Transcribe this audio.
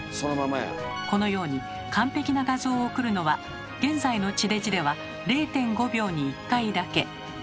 このように完璧な画像を送るのは現在の地デジでは０．５秒に１回だけ。